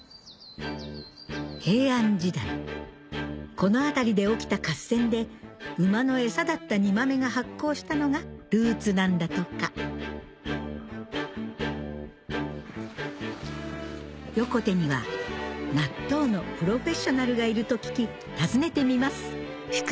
平安時代この辺りで起きた合戦で馬の餌だった煮豆が発酵したのがルーツなんだとか横手には納豆のプロフェッショナルがいると聞き訪ねてみます